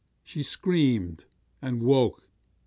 She screamed, and woke.